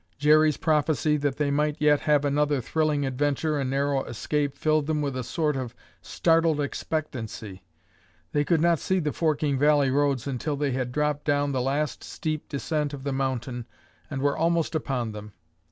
Jerry's prophecy that they might yet have another thrilling adventure and narrow escape filled them with a sort of startled expectancy. They could not see the forking valley roads until they had dropped down the last steep descent of the mountain and were almost upon them.